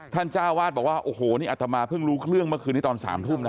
จ้าวาดบอกว่าโอ้โหนี่อัตมาเพิ่งรู้เครื่องเมื่อคืนนี้ตอน๓ทุ่มนะ